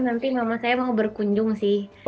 nanti mama saya mau berkunjung sih